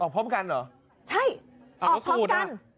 ออกพร้อมกันเหรอใช่ออกพร้อมกัน